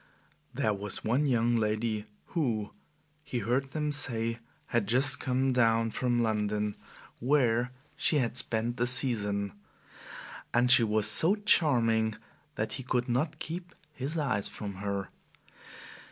There was one young lady who, he heard them say, had just come down from London, where she had spent the "season"; and she was so charming that he could not keep his eyes from her.